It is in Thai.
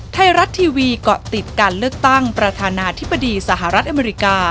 ไทยรัฐทีวีเกาะติดการเลือกตั้งประธานาธิบดีสหรัฐอเมริกา